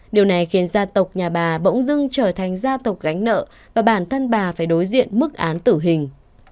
điều này khiến gia tộc nhà bà bỗng dưng trở thành gia tộc gánh nợ và bản thân bà phải đối diện mức án tử hình